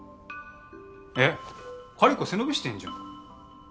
えっカリコ背伸びしてんじゃん。